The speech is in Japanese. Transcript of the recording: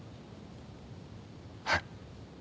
はい。